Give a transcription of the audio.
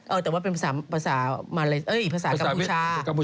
เออแต่ว่าเป็นภาษากรรมพุชา